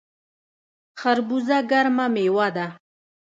خربوزه ګرمه میوه ده